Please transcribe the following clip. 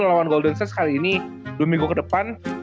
lawan golden state sekali ini dua minggu ke depan